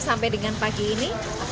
sampai dengan pagi ini